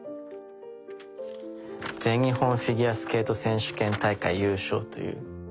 「全日本フィギュアスケート選手権大会優勝」という。